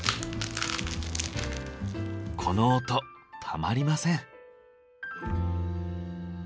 この音たまりません。